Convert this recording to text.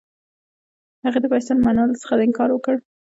هغې د پیسو منلو څخه انکار وکړ.